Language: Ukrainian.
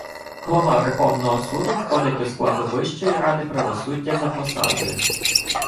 Голова Верховного Суду входить до складу Вищої ради правосуддя за посадою.